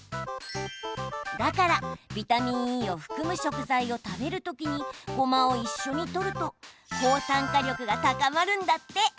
だから、ビタミンＥを含む食材を食べる時にごまを一緒にとると抗酸化力が高まるんだって。